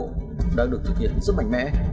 cảnh bộ đã được thực hiện rất mạnh mẽ